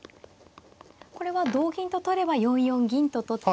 これは同銀と取れば４四銀と取って。